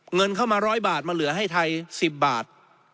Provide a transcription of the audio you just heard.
เงินเข้ามา๑๐๐บาทมาเหลือให้ไทย๑๐บาท